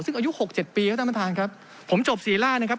ซึ่งอายุหกเจ็ดปีครับท่านประธานครับผมจบซีล่านะครับ